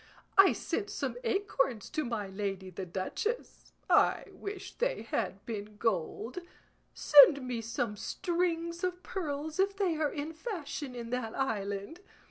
I sent some acorns to my lady the duchess; I wish they had been gold. Send me some strings of pearls if they are in fashion in that island.